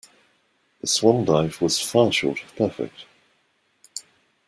The swan dive was far short of perfect.